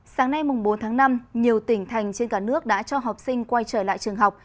sáng nay bốn tháng năm nhiều tỉnh thành trên cả nước đã cho học sinh quay trở lại trường học